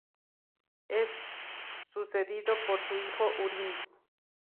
Es sucedido por su hijo Húrin